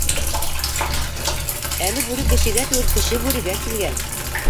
Әле бүре кешегә түгел, кеше бүрегә килгән.